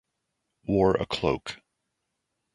Wore a cloak.